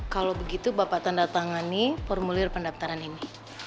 kalo begitu bapak tanda tangan nih formulir pendaftaran ini